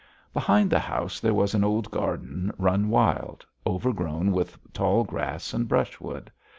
Behind the house there was an old garden run wild, overgrown with tall grass and brushwood.